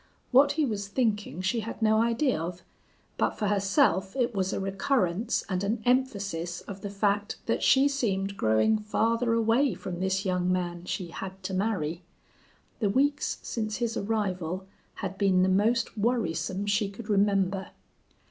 What he was thinking she had no idea of, but for herself it was a recurrence and an emphasis of the fact that she seemed growing farther away from this young man she had to marry. The weeks since his arrival had been the most worrisome she could remember.